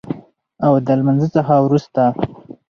او د لمونځ څخه وروسته